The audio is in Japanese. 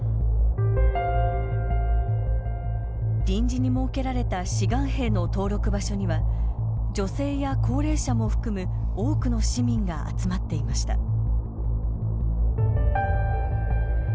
臨時に設けられた志願兵の登録場所には女性や高齢者も含む多くの市民が集まっていました。